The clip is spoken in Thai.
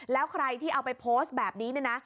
แล้วใครที่เอาไปโพสต์แบบนี้เนี่ยนะ